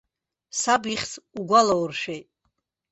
Саб ихьӡ угәалауршәеит.